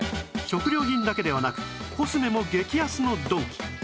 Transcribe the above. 食料品だけではなくコスメも激安のドンキ